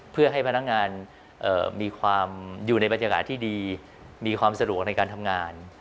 เพื่อให้พนักงานมีความอยู่ในบรรยากาศที่ดีมีความสะดวกในการทำงาน